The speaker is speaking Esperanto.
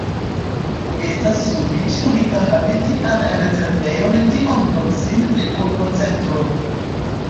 Estas sufiĉe unika havi tian rezervejon tiom proksime de urbocentro.